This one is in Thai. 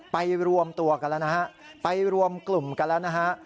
รวมตัวกันแล้วนะฮะไปรวมกลุ่มกันแล้วนะฮะ